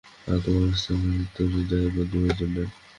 আর তোমার স্থানান্তরে যাইবার প্রয়োজন নাই।